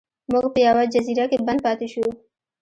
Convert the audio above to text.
موږ په یوه جزیره کې بند پاتې شو.